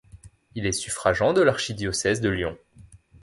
Il est suffragant de l'archidiocèse de Lyon.